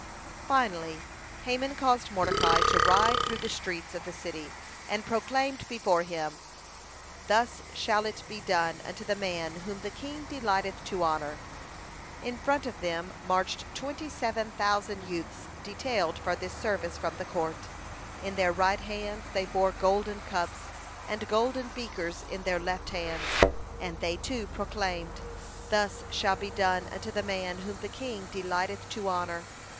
(170) Finally, Haman caused Mordecai to ride through the streets of the city, and proclaimed before him: "Thus shall it be done unto the man whom the king delighteth to honor." In front of them marched twenty seven thousand youths detailed for this service from the court. In their right hands they bore golden cups, and golden beakers in their left hands, and they, too, proclaimed: "Thus shall be done unto the man whom the king delighteth to honor."